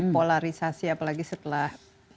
polarisasi apalagi setelah